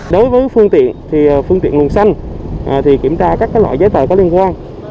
đối với phương tiện thì phương tiện nguồn xanh thì kiểm tra các loại giấy tờ có liên quan